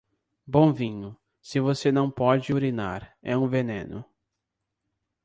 Bom vinho, se você não pode urinar, é um veneno.